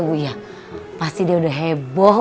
bu ya pasti dia udah heboh